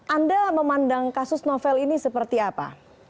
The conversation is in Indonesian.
anda memandang kasus novel ini seperti apa